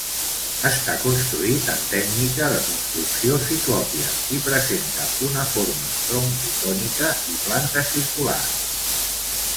Està construït amb tècnica de construcció ciclòpia i presenta una forma troncocònica i planta circular.